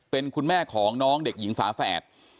เป็นคุณแม่ของน้องเด็กหญิงฝาแฝด